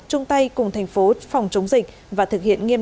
chung tay cùng tp phòng chống dịch và thực hiện nghiêm năm k